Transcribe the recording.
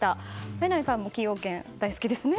榎並さんも崎陽軒大好きですよね。